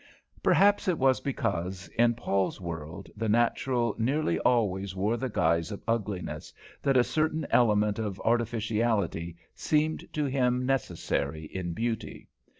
Perhaps it was because, in Paul's world, the natural nearly always wore the guise of ugliness, that a certain element of artificiality seemed to him necessary in beauty.